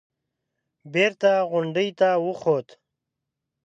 بېرته غونډۍ ته وخوت.